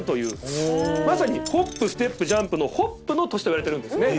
まさにホップステップジャンプのホップの年といわれてるんですね。